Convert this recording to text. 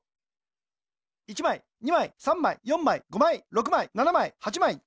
１まい２まい３まい４まい５まい６まい７まい８まい。